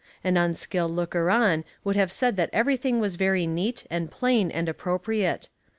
An unskilled looker on would have said that everything was very neat and plain and appropriate.